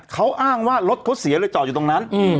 เขาอ้างว่ารถเขาเสียเลยจอดอยู่ตรงนั้น